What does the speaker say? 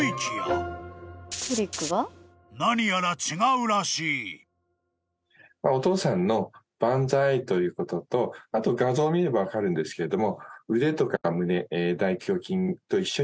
これはお父さんの万歳ということとあと画像見れば分かるんですけれども。